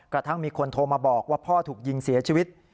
กระทั่งมีคนโทรมาบอกว่าพ่อถูกยิงเสียชีวิต